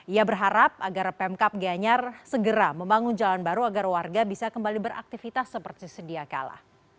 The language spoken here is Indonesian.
ia berharap agar pemkap giyanyar segera membangun jalan baru agar warga bisa kembali beraktivitas seperti sedia kala